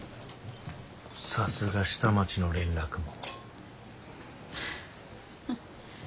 さすが下町の連絡網。